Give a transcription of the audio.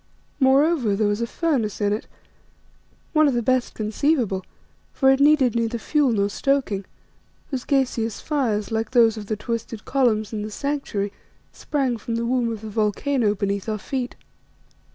Moreover, there was a furnace in it, one of the best conceivable, for it needed neither fuel nor stoking, whose gaseous fires, like those of the twisted columns in the Sanctuary, sprang from the womb of the volcano beneath our feet.